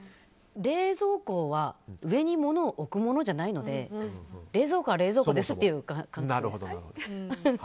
冷蔵庫は上に物を置くものじゃないので冷蔵庫は冷蔵庫ですという考え方です。